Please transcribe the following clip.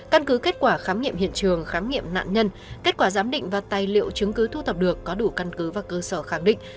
căn cứ kết quả khám nghiệm hiện trường khám nghiệm nạn nhân kết quả giám định và tài liệu chứng cứ thu thập được có đủ căn cứ và cơ sở khẳng định